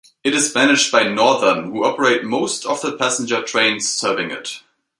It is managed by Northern, who operate most of the passenger trains serving it.